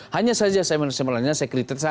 hanya saja saya menerima penariannya